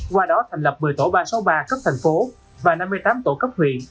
qua đó thành lập một mươi tổ ba trăm sáu mươi ba cấp thành phố và năm mươi tám tổ cấp huyện